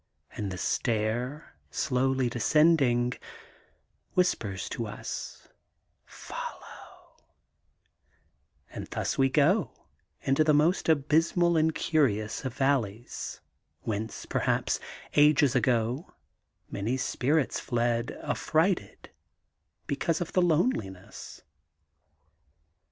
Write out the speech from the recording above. And the stair, slowly descending, whispers to us: Follow/' And thus we go, into the most abysmal and curious of valleys, whence, per haps, ages ag€^ many spirits fled affrighted because of the loneliness.